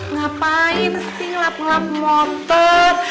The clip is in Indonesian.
ngapain sih ngelap ngelap motor